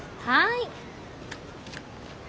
はい。